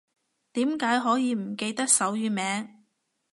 點解可以唔記得手語名